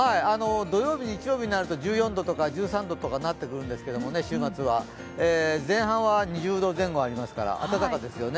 土曜日、日曜日になると１４度とか１３度とかになってくるんですけど前半は２０度前後ありますから暖かですよね。